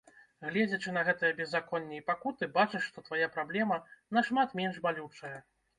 Гледзячы на гэтае беззаконне і пакуты, бачыш, што твая праблема нашмат менш балючая.